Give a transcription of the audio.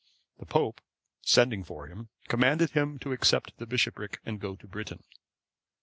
The pope, sending for him, commanded him to accept the bishopric and go to Britain.